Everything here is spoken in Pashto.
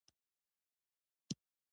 لکه روښانه او تشه ګېډه، پر تشه ګېډه باندې.